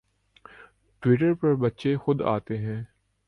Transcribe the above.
Twitter پر بچے خود آتے ہیں